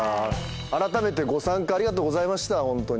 あらためてご参加ありがとうございましたホント。